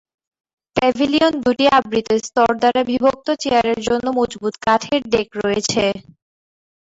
Pavilion দুটি আবৃত, স্তর দ্বারা বিভক্ত, চেয়ার এর জন্য মজবুত কাঠের ডেক রয়েছে।